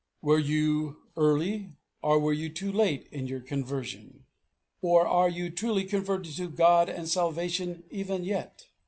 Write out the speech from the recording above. Were you early or were you too late in your conversion? Or are you truly converted to God and to salvation even yet?